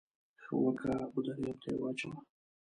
ښه وکه و درياب ته يې واچوه.